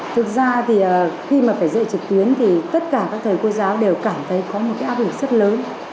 thực ra thì khi mà phải dạy trực tuyến thì tất cả các thầy cô giáo đều cảm thấy có một cái áp lực rất lớn